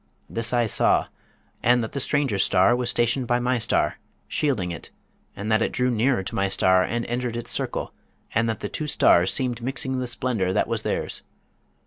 This I saw: and that the stranger star was stationed by my star, shielding it, and that it drew nearer to my star, and entered its circle, and that the two stars seemed mixing the splendour that was theirs.